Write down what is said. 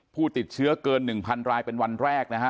ผู้ติดเชื้อเกิน๑๐๐รายเป็นวันแรกนะฮะ